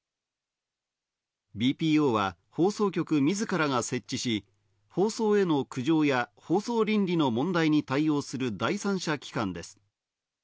ＢＰＯは放送局自らが設置し、放送への苦情や放送倫理の問題に対応する第三者機関です。